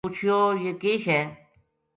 پچھیو یہ کے شے